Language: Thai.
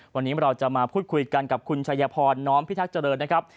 วันนี้เราจะมาพูดคุยกันกับคุณชัยพรน้อมพิทักษ์เจริญนะครับ